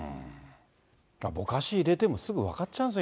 ぼかし入れても分かっちゃうんですよ、